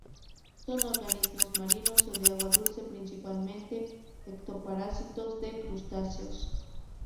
Son organismos marinos o de agua dulce, principalmente ectoparásitos de crustáceos.